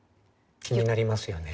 気になりますよね。